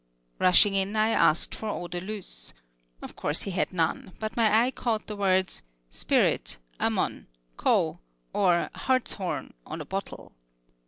Rushing in, I asked for eau de luce. Of course he had none, but my eye caught the words "Spirit, ammon. co.," or hartshorn, on a bottle.